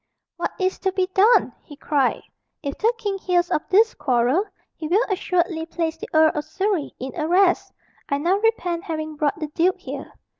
"What is to be done?" he cried. "If the king hears of this quarrel, he will assuredly place the Earl of Surrey in arrest. I now repent having brought the duke here."